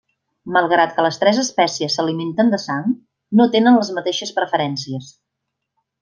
Malgrat que les tres espècies s'alimenten de sang, no tenen les mateixes preferències.